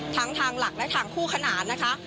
ทางหลักและทางคู่ขนานนะคะ